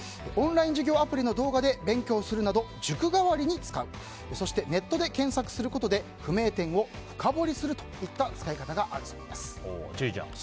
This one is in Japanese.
オンライン授業アプリの動画で勉強するなど塾代わりに使うそして、ネットで検索することで不明点を深掘りするといった使い方があるそうです。